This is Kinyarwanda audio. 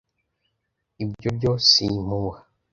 «ibyo byo si impuha!»